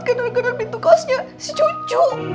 genar genar pintu kosnya si cucu